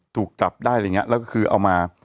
ถูกจับได้อะไรอย่างเงี้ยแล้วก็คือเอามา